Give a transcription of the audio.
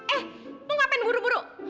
eh mau ngapain buru buru